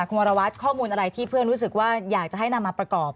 คุณวรวัตรข้อมูลอะไรที่เพื่อนรู้สึกว่าอยากจะให้นำมาประกอบ